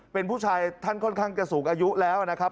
เป็นผู้ชายท่านค่อนข้างจะสูงอายุแล้วนะครับ